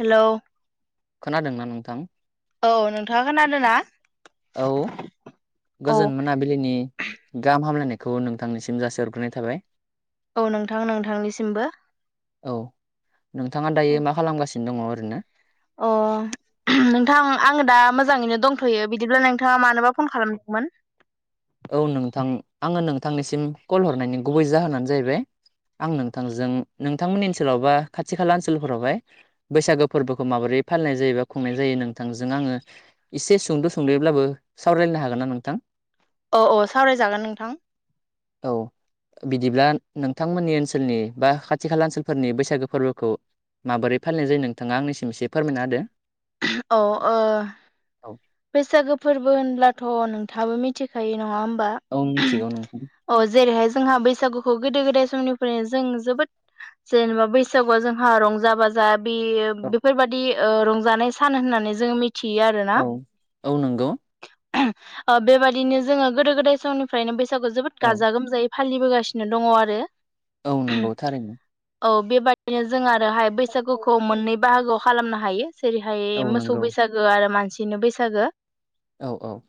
Hello खोनादोंना नोंथां औ नोंथाङा खोनादोंना? औ औ गोजोन मोनाबिलिनि गाहाम हामलायनायखौ खौ नोंथांनिसिम जासिहरग्रोनाय थाबाय। औ नोंथां नोंथांनिसिमबो। औ नोंथाङा दायो मा खालामगासिनो दङ ओरैनो? अ नोंथां आङो दा मोजाङैनो दंथ'यो बिदिब्ला नोंथाङा मानोबा फन खालामदोंमोन? औ नोंथां आङो नोंथांनिसिम कल हरनायनि गुबै जाहोनानो जाहैबाय आं नोंथांजों नोंथांमोननि ओनसोलाव बा खाथि खाला ओनसोलफोरावहाय बैसागो फोरबोखौ माबोरै दि फालिनाय जायोबा खुंनाय जायो। नोंथांजों आङो एसे सुंद' सुंद'ब्लाबो सावरायलायनो हागोन ना नोंथां? [inaudible] अ अ सावरायजागोन नोंथां। औ बिदिब्ला नोंथांमोननि ओनसोलनि बा खाथि खाला ओनसोलफोरनि बैसागो फोरबोखौ माबोरै फालिनाय जायो? नोंथाङा आंनिसिम एसे फोरमायना होदो। अ ओ बैसागो फोरबो होनब्लाथ' नों थाबो मिथिखायो नङा होमबा? औ मिथिगौ नोंथां अ जेरैहाय जोंहा बैसागुखौ गोदो गोदाय समनिफ्रायनो जों जोबोद जेनेबा बैसागुआव जोंहा रंजा बाजा बे बेफोरबायदि रंजानाय सान होननानै जोङो मि थियो आरो ना। औ औ नंगौ ओ बेबायाददिनो जोङो गोदो गोदाय समनिफ्रायनो बैसागु जोबोद गाजा गोमजायै फालिबोगासिनो दंङ आरो औ नंगौ थारैनो औ बेबादिनो जों आरोहाय बैसागुखौ मोननै बाहागोआव खालामनो हायो जेरै हाय औ मोसौ बैसागो आरो मानसिनो बैसागो औ औ!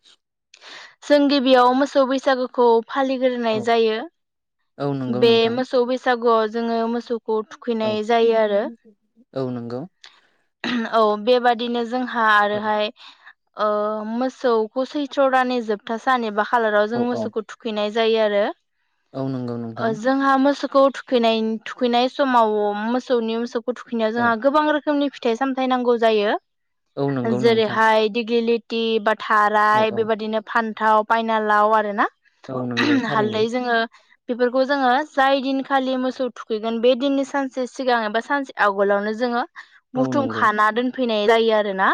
जों गिबियाव मोसौ बैसागोखौ फालिग्रोनाय जायो। औ नंगौ बे नोंथां मोसौ बैसागुआव जोङो मोसौ खौ औ थुखैनाय जायो आरो औ नंगौ औ बेबादिनो जोंहा औ आरोहाय ओ मोसौखौ सैथ्र' दानानि जोबथा सान एबा खालाराव औ जों औ मोसौखौ थुखैनाय जायो आरो औ नंगौ नोंथां खौ थुखैनाय-थुखैनाय समाव मोसौनि मोसौखौ थुखैनायाव औ जोंहा गोबां रोखोमनि फिथाइ साम थाय नांगौ जायो औ नंगौ नोंथां जेरैहाय दिगलिटि बाद औ थाराय औ बेबायदिनो फान्थाव पायनालाव आरो ना औ नंगौ थारैनो हालदै जोङो बेफोरखौ जोङो जाय दिन खालि मोसौ थुखैगोन बे दिन सानसे सिगां एबा सानसे आगलावनो जोङो औ बुथुम नंगौ खाना दोनफैनाय जायो आरोना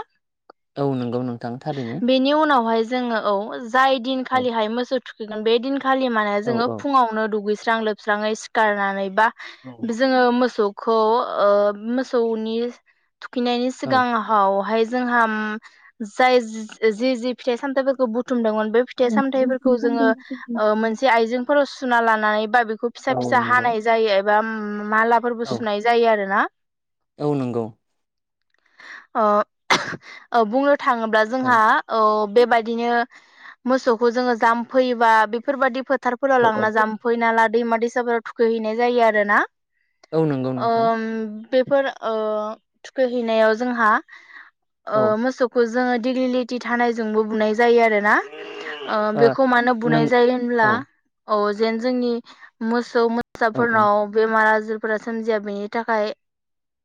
औ नंगौ नोंथां थारैनो बेनि उनावहाय जोङो औ जाय औ दिनखालिहाय मोसौ थुखैगोन बे दिनखालि माने औ जोङो औ फुङावनो दुगै स्रां लोबस्राङै सिखारनानै बा औ जोङो मोसौ खौ ओ मोसौनि थुखैनायनि औ सिगांहावहाय जोंहाम जाय जि जि फिथाइ सामथाइफोरखौ बुथुमदोंअन बे फिथाय खौ फिसा औ फिसा नंगौ हानाय जायो एबा ओम मालाफोरबो औ सुनाय जायो आरो ना औ नंगौ अ [unintelligible] ओ बुंङो थाङोब्ला औ जोंहा औ बेबायदिनो मोसौखौ जोङो जामफै बा बेफोरबायदि फोथारफोराव औ लांना जामफै नाला दैमा दैस [unintelligible] थुखैहैनाय जायो आरोना औ नंगौ नोंथां ओम बेफोर ओ थुखैहैनायाव जोंहा ओ औ मोसौखो जोङो डिग्लिलिटि धानाय जोंबो बुनाय जायो आरोना ओ ओ बेखौ मानो नों बुनाय जायो औ होमब्ला औ जेन जोंनि मोसौ औ मोसाफोरनाव बेमार आजोर फोरा सोमजिया बेनि थाखाय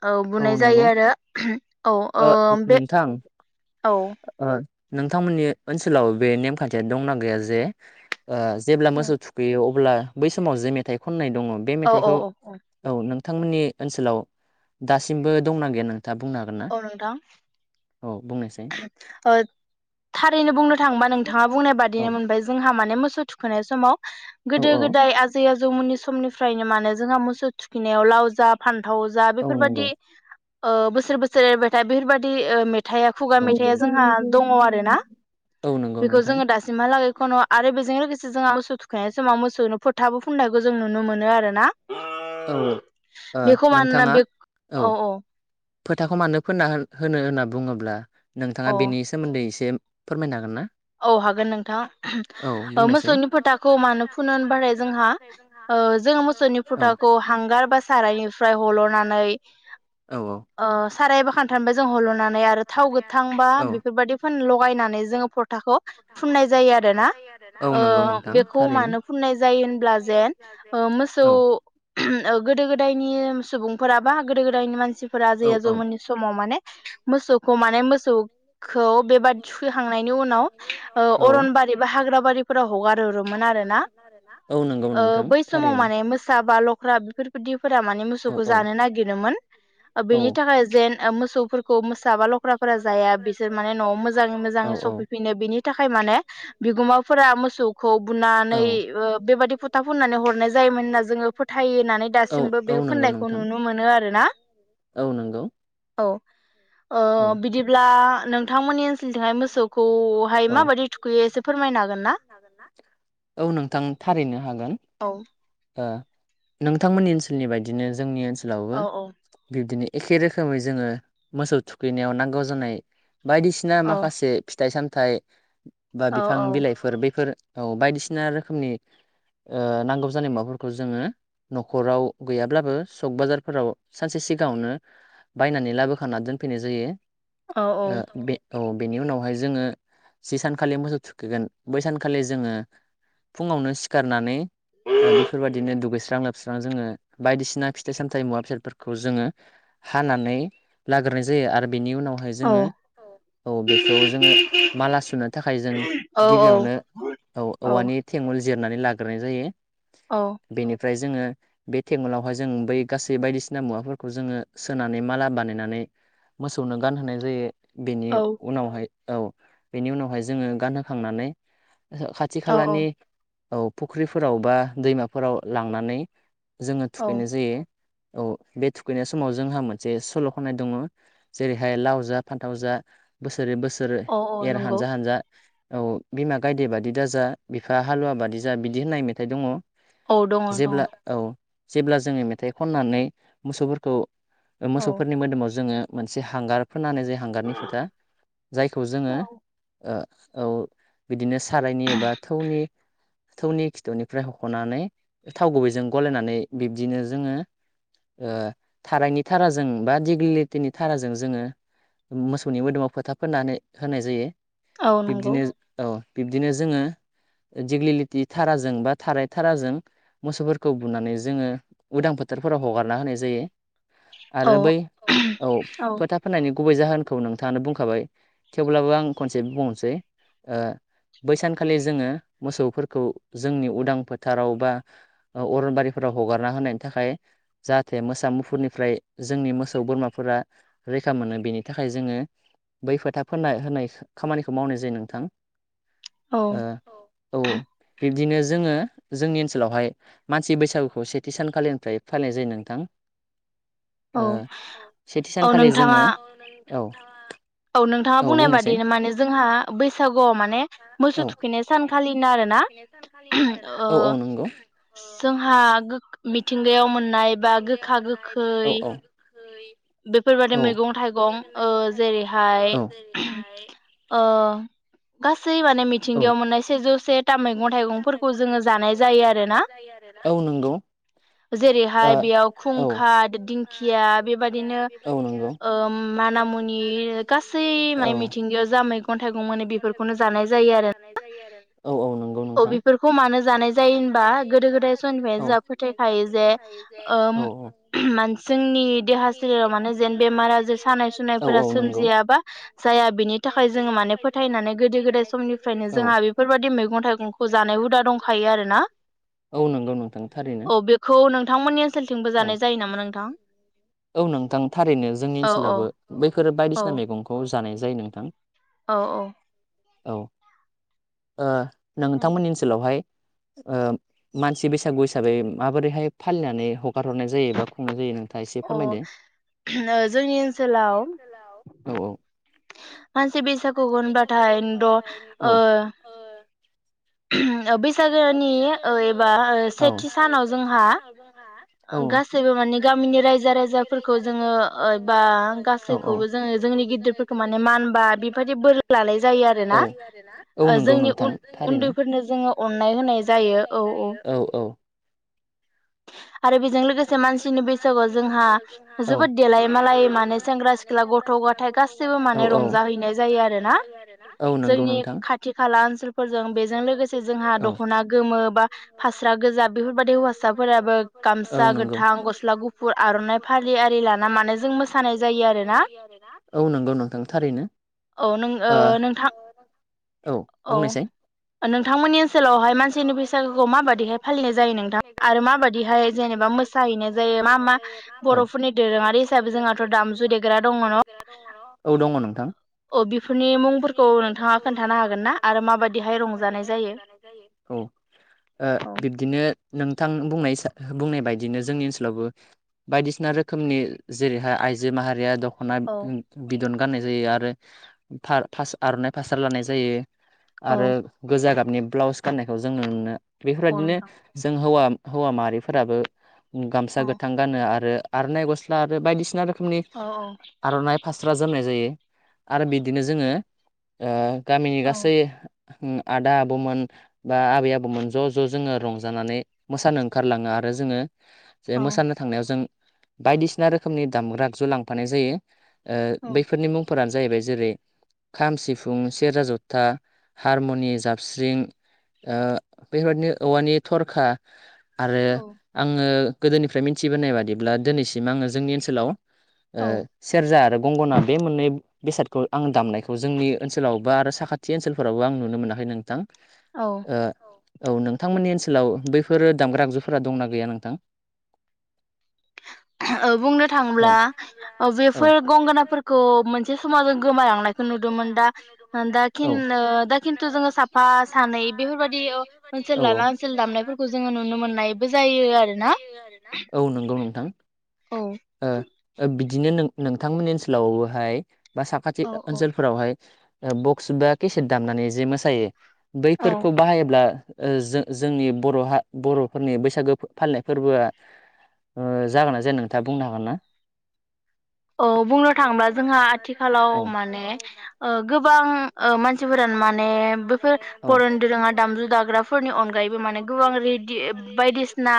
औ बुनाय जायो आरो [unintelligible] औ ओ ओम बे नोंथां औ ओ नोंथांमोननि ओनसोलाव बे नेमखान्थिया दंना गैया जे ओ जेब्ला मोसौ थुखैयो अ ब्ला बै समाव जे मेथाइ खननाय दङ' बे औ औ मेथाइखौ औ औ नों थांमोननि ओनसोलाव दासिमबो दंना गैया नोंथाङा बुंनो हागोन ना? औ नोंथां औ बुंनायसाय ओ थारैनो बुंनो थाङोबा नोंथाङा बुंनाय औ बादिनो मोनबाय जोंहा माने मोसौ थुखोनाय समाव औ गोदो औ गोदाय आजै आ जौमोननि समनिफ्रायनो मानो जोंहा मोसौ थुखिनायाव लाव जा फान्थाव जा औ नंगौ बेफोरबादि ओ बोसोर बोसोर एरबायथा बेफोरबादि ओ मेथाइआ खुगा औ मेथाइआ नंगौ जोंहा दङ' आरोना औ नंगौ बेखौ नोंथां जोङो दासिमहालागै खन' आरो बेजों लोगोसे जोंहा मोसौ थुखैनाय समाव मोसौनो फोथाबो फुननायखौ जों नुनो मोनो आरो ना। औ औ ओ बेखौ मानोना नोंथाङा बे औ। फोथाखौ मानो फोनना होनो होनना बुङोब्ला नोंथाङा औ बेनि सोमोन्दै एसे फोरमायनो हागोन ना औ हागोन नोंथां औ ओ बुंनायसाय मोसौनि फोथाखौ मानो फुनो होनबाराय जोंहा ओ जोङो मोसौनि औ फुथाखौ हांगार बा सारायनिफ्राय हल'नानै औ औ। ओ साराय बा खानथानफाय जों हल'नानै आरो थाव गोथांबा औ बेफोरबायदि फोन लगायनानै जोङो फ' थाखौ फुननाय जायो आरो ना। औ ओ नंगौ नोंथां बेखौ थारैनो मानो फुननाय जायो होनब्ला जेन ओ मोसौ औ [unintelligible] ओ गोदो गोदायनि सुबुंफोरा बा गोदो गोदायनि मानसिफोरा जै औ औ आजौमोननि समाव माने मोसौखौ माने मोसौखौ बेबादि थुखै खांनाय उनाव ओ औ अरनबारि बा हाग्राबारिफोराव हगारहरोमोन आरोना औ नंगौ ओ नोंथां बै समाव थारैनो माने मोसा बा लख्रा बेफोरबायदिफोरा माने औ मोसौखौ औ जानो नागिर ओ औ बेनि थाखाय जेन ओ मोसौफोरखौ मोसा बा लख्राफोरा जाया बिसोर माने न'आव मोजाङै औ मोजाङै औ सब फैफिनो बिनि थाखाय माने बिगोमाफोरा मोसौखौ बुनानै औ ओ बेबायदि फथा फुन नानै हरनाय जायोमोन होनना जोङो फोथायो होननानै औ दासिमबो औ बे नंगौ फोननायखौ नोंथां नुनो मोनो आरोना। औ नंगौ। औ ओ औ बिदिब्ला नोंथांमोननि ओनसोलथिंहाय मोसौ खौहाय औ माबादि थुखैयो एसे फोरमायनो हागोन ना? औ नोंथां थारैनो हागोन। औ ओ नोंथांमोननि ओनसोलनि बायदिनो जोंनि ओनसोलावबो औ औ बिब्दिनो एखे रोखोमै जोङो मोसौ थुखैनायाव नांगौ जानाय बायदिसिना औ माखासे फिथाइ सामथाइ बा औ बिफां बिलाइफोर बेफोर औ बायदिसिना रोखोमनि ओ नांगौ जानाय मुवाफोरखौ जोङो न'खराव गैयाब्लाबो सक बाजारफोराव सानसे सि गाङावनो बायनानै लाबोखाना दोनफैनाय जायो। औ ओ बे औ बेनि उनावहाय जोङो जि सानखालि मोसौ थुखैगोन बै सानखालि जोङो फुङावनो सिखारनानै ओ बेफोरबायदिनो दुगैस स्रां लोबस्रां जोङो बायदिसिना फिथाइ सामथाइ मुवा बेसादफोरखौ जोङो हानानै लाग्रो नाय जायो आरो बेनि उनावहाय औ जोङो औ बेखौ जोङो माला सुनो थाखाय जों औ औ गिबियावनो औ-औवानि थेङुल जि जिरनानै लाग्रोनाय जायो। बेनि फ्राय जोङो बे थेङुलावहाय जों बै गासै बायदिसिना मुवाफोरखौ जोङो सोनानै माला बानायनानै मोसौनो गानहोनाय जायो। बेनि उनावहाय औ बेनि उनावहाय जोङो गानहोखांनानै ओहो खाथि औ खालानि औ फुख्रिफोराव बा दैमाफोराव लांनानै जोङो औ थुखैनाय जायो। औ बे थुखैनाय समाव जोंहा मोनसे सल' खननाय दङो जेरैहाय लाव जा फान्थाव जा बोसोरै बोसोर औ औ एर नंगौ हानजा हानजा। औ बिमा गायदे बादि दाजा बिफा हालुवा बादि जा बिदि होननाय मेथाइ दङ। औ दङ दङ जेब्ला औ जेब्ला जोङो मेथाइ खननानै मोसौफोरखौ ओ औ मोसौफोरनि मोदोमाव जोङो मोनसे हांगार फोनना होनाय जायो हांगारनि फोथा। जायखौ जोङो ओ औ बिदिनो सारायनि एबा थौनि थौनि खिथौनिफ्राय हख'नानै थाव गुबैजों गलायनानै बिब्दिनो जोङो ओ थाराइनि थाराजों बा दिगिलिटिनि थाराजों जोङो मोसौनि मोदोमाव फोथा फोननानै होनाय जायो औ नंगौ बिब्दिनो औ बिब्दिनो जोङो दिग्लिलिथि थाराजों बा थाराय थाराजों मोसौफोरखौ बुनानै जोङो उदां फो थारफोराव हगारना होनाय जायो। औ आरो बै औ फोथा फोननायनि गुबै जाहोनखौ नोंथाङानो बुंखाबाय। थेवब्लाबो आं खनसे बुंनोसै ओ बैसानखालि जोङो मोसौफोरखौ जोंनि उदां फोथाराव बा औ अरनबारिफोराव हगारना होनायनि थाखाय जाहाथे मोसा मुफुरनिफ्राय जोंनि मोसौ बोरमाफोरा रै खा मोनो बेनि थाखाय जोङो बै फोथा फोनना होनाय खामानिखौ मावनाय जायो नोंथां। औ ओ औ बिदिनो जोङो जोंनि ओनसोलावहाय मानसि बैसागुखौ सेथि सानखालिनिफ्राय फालिनाय जायो नोंथां। औ ओ सेथि औ सानखालि नोंथाङा जोङो औ औ नोंथाङा बुंनाय बादि माने जोंहा बैसागुआव माने औ मोसौ थुखैनाय सानखालिनो आरो ना औ औ नंगौ जोंहा गोग मिथिंगायाव मोननाय बा गोखा गोखै बेफोरबादि मैगं गोखै थाइगं ओ जेरैहा हाय औ ओ गासै माने औ मिथिंगायाव मोननाय सेजौ से था मैगं थाइगंफोरखौ जोङो जानाय जायो आरोना। औ नंगौ ओ जेरैहाय बेयाव औ खुंखा दिंखिया बेबा दिनो ओम माना मुनि गासै मिथिंगायाव जा मैगं थाइगं मोनो बेफोरखौनो जानाय जायो आरो औ औ नंगौ औ नोंथां। बेफोरखौ मानो जानाय जायो होनबा गोदो गोदाय समनिफ्रायनो जोंहा फोथायखायो जे ओ ओम [unintelligible] मान जोंनि देहा सोलेराव माने जेन बेमार आजार सानाय सुनायफोरा सोमजिया बा जाया बिनि थाखाय जोङो माने फोथाय नानै गोदो गोदाय समनिफ्रायनो जोंहा बेफोरबायदि मैगं थाइगं खौ जानाय हुदा दंखायो आरो ना। औ नंगौ नोंथां थारैनो औ बेखौ नोंथांमोननि ओनसोलथिंबो जानाय जायो नामा नोंथां? औ नोंथां थारैनो जोंनि औ औ ओनसोलावबो बैफोरो औ बायदिसिना मैगंखौ जानाय जायो नोंथां। औ औ। औ ओ नोंथांमोननि ओनसोलावहाय ओ मानसि बैसागु हिसाबै माबोरैहाय फालिनानै हगार हरनाय जायो बा खुंनाय जायो नोंथाङा एसे अ ओ फोरमायदो जोंनि ओनसोलाव औ औ मानसि बैसागु होनबाथाय द' ओ बैसागोनि ओ एबा सेथि सानाव जोंहा गासैबो माने गामिनि रायजो राजाफोरखौ जोङो ओ बा गासैखौबो जोङो जोंनि गि दिरफोरखौ माने मान बा बेफोरबायदि बोर लानाय जायो आरो ना। औ ओ नंगौ जोंनि नोंथां उन थारैनो उन्दैफोरनो जोङो अननाय होनाय जायो औ औ। आरो बेजों लोगोसे मानसिनि बैसागुआव जोंहा जोबोद देलाय मालाय माने सेंग्रा सिख्ला गथ' ग'थाय गासैबो माने रंजाहैनाय जायो आरो ना। खाला जोंनि खाथि खाला ओनसोलफोरजों बेजों लोगोसे जोंहा दख'ना गोमो बा फास्रा गोजा बेफोरबायदि हौवासाफोराबो गाम सा गोथां गस्ला गुफुर आर'नाइ फालि आरि लाना मानो जों मोसानाय जायो आरो ना। औ नंगौ नोंथां थारैनो। औ नों ओ नोंथां औ बुंनायसाय नोंथांमोननि ओनसोलावहाय मानसिनि फैसागोखौ माबायदिहाय फालिनाय जायो नोंथां आरो माबायदिहाय जेने बा मोसाहैनाय जायो मा मा बर'फोरनि दोरोङारि हिसाबै जोंहाथ' दामजु देग्रा दङ' न' औ दङ' नोंथां। औ बेफोरनि अ बेफोरनि मुंफोरखौ नोंथाङा मुंफोरखौ खोन्थानो नोंथाङा हागोन ना खोन्थानो आरो हागोन ना आरो माबायदिहाय रंजानाय माबायदिहाय जायो रंजानाय जायो [unintelligible] औ ओ औ बिब्दिनो नोंथां बुंनाय [unintelligible] बुंनाय बायदिनो जोंनि ओनसोलावबो बायदिसिना रोखोमनि जेरैहाय आइजो माहारिया द खना औ बिदन गाननाय जायो आरो फार-फास आर'नाइ फास्रा लानाय जायो। औ आरो गोजा गाबनि ब्लाउस गाननायखौ जों नुनो मोनो। औ बेफोरबायदिनो नोंथां जों हौवा हौवा माहारिफोराबो गामसा औ गोथां गानो आरो आर'नाइ गस्ला आरो बायदिसिना रो खोमनि औ आर'नाइ फास्रा जोमनाय जायो आरो बिदिनो जोङो ओ गामिनि औ गासै ओं आदा आबौमोन बा आबै आबौमोन ज' ज' जोङो रंजानानै मोसानो ओंखारलाङो आ रो जोङो जे औ मोसानो थांनायाव जों बायदिसिना रोखोमनि दामग्रा आगजु लांफानाय जायो। औ ओ बैफोरनि मुंफोरा जाहैबाय जेरै खाम, सिफुं, सेरजा, जथा, हारमनि, जाबस्रिं ओ बेबायदिनो औवानि थरखा आरो औ आङो गोदोनिफ्राय मिथिबोनाय बादिब्ला दोनैसिम आङो जोंनि ओनसोलाव ओ औ सेरजा आरो गंगना बे मोननै बेसादखौ आं दामनायखौ जोंनि ओनसोलावबो आरो साखाथि ओनसोलफोरावबो आं नुनो मोनाखै नोंथां। औ। ओ औ नोंथांमोननि ओनसोलाव बैफोर दामग्रा आगजुफोरा दं ना गैया नोंथां? [unintelligible] बुंनो थाङोब्ला औ बेफोर गंगोनाफोरखौ मोनसे समाव जों गोमालांनायखौ नुदोमोन दा दा खिन दा ओ खिन दा खिन्थु जोङो ओ दा साफा खिन्थु जोङो सानै साफा बेफोरबायदि सानै ओ बेफोरबादि ओनसोल औ लाना ओनसोल औ--ओनसोल लाना दामनायफोरखौ ओनसोल जोङो नुनो दामनायफोरखौ जोङो मोननायबो नुनो जायो मोननायबो आरो ना जायो आरोना औ नोंथां औ बिदिनो नोंथांमोननि ओनसोलावहाय बा साखाथि औ ओनसोलफोरावहाय बक्स बा केसेट दामनानै जे मोसायो। औ बैफोरखौ बाहायोब्ला जो जोंनि बर'हा बर' फोरनि बैसागो फालिनाय फोरबोआ जागोन ना जाया नोंथाङा बुंनो हागोन ना? औ बुंनो थाङोबा जोंहा आथिखालाव माने ओ गोबां ओ मानसिफोरा माने बेफोर परन दोरोङा दामजु दाग्राफोरनि अनगायैबो माने गोबां रे बायदिसिना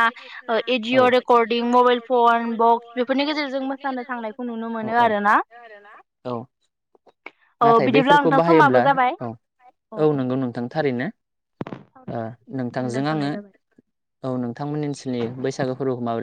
अदिअ रेकर्डदिं मबाइल फन बक्स बेफोरनि गेजेरजोंबो बेफोरनि गेजेरजोंबो औ औ औ औ नाथाय बिदिब्ला बेफोरखौ नोंथां बाहायोब्ला समाबो जाबाय औ औ नंगौ नोंथां थारैनो। सावरायनो नोंथांजों आङो दोनथ'नाय जाबाय औ नोंथांमोननि ओनसोलनि बैसागो फोरबोखौ माबोरै